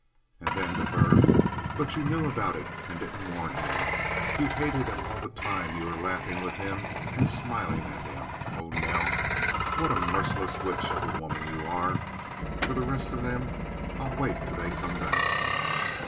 And then, to her: "But you knew about it and didn't warn him? You hated him all the time you were laughing with him and smiling at him? Oh, Nell! What a merciless witch of a woman you are! For the rest of them I'll wait till they come back!"